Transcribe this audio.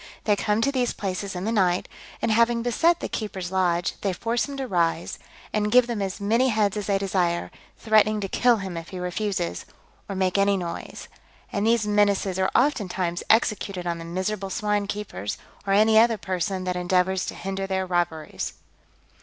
They come to these places in the night, and having beset the keeper's lodge, they force him to rise, and give them as many heads as they desire, threatening to kill him if he refuses, or makes any noise; and these menaces are oftentimes executed on the miserable swine keepers, or any other person that endeavours to hinder their robberies.